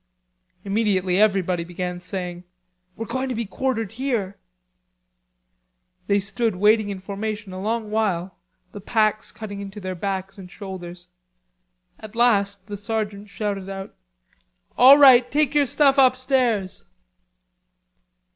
Immediately everybody began saying: "We're going to be quartered here." They stood waiting in formation a long while, the packs cutting into their backs and shoulders. At last the sergeant shouted out: "All right, take yer stuff upstairs."